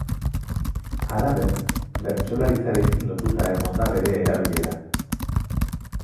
Halaber, bertsolaritzarekin lotuta egon da bere erabilera.